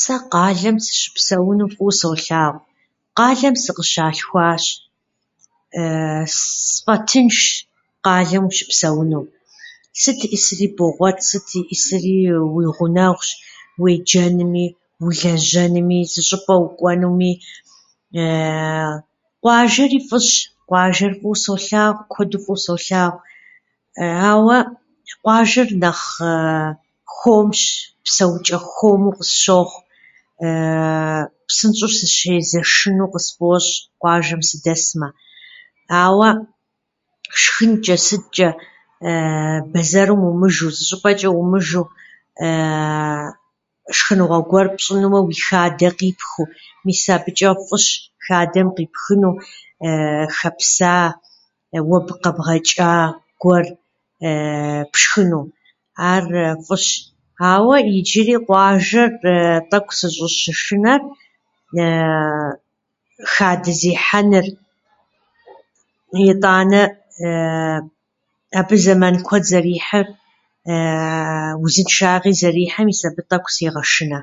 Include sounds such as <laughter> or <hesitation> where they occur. Сэ къалэм сыщыпсэуну фӏыуэ солъагъу. Къалэм сыкъыщалъхуащ, <hesitation> ссфӏэтыншщ къалэм ущыпсэуну. Сыт иӏысри богъуэт, сыт иӏысри уи гъунэгъущ, уеджэнуми улэжьэнуми, зы щӏыпӏэ укӏуэнуми. <hesitation> Къуажэри фӏыщ, къуажэр фӏыуэ солъагъу, куэду фӏыуэ солъагъу, <hesitation> ауэ къуажэр нэхъ <hesitation> хуэмщ, псэучӏэ хуэму къысщохъу, <hesitation> псынщӏэу сыщезэшыну къысфӏощӏ къуажэм сыдэсмэ. Ауэ шхынчӏэ сытчӏэ <hesitation> бэзэрым умыжэу, зы щӏыпӏэчӏэ умыжэу, <hesitation> шхыныгъуэ гуэр пщӏынумэ, уэ уи хадэ къипхыу. Мис абычӏэ фӏыщ, хадэм къипхыу <hesitation> хэпса, уэ къэбгъэчӏа гуэр <hesitation> пшхыну, ар фӏыщ. Ауэ иджыри къуажэм тӏэкӏу сыщӏыщышынэр <hesitation> хадэ зехьэныр, итӏанэ <hesitation> абы зэман куэд зэрихьыр, <hesitation> узыншагъи зэрихьыр. Мис абы тӏэкӏу сегъэшынэ.